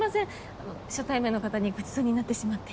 あの初対面の方にごちそうになってしまって。